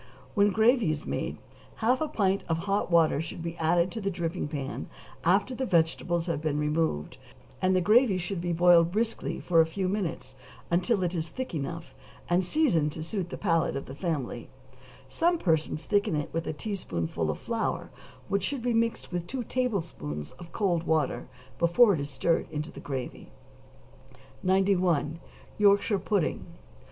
When gravy is made, half a pint of hot water should be added to the dripping pan, after the vegetables have been removed, and the gravy should be boiled briskly for a few minutes, until it is thick enough, and seasoned to suit the palate of the family; some persons thicken it with a teaspoonful of flour, which should be mixed with two tablespoonfuls of cold water before it is stirred into the gravy. 91. =Yorkshire Pudding.